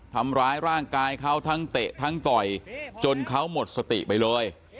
ทำร้ายร่างกายเขาทั้งเตะทั้งต่อยจนเขาหมดสติไปเลย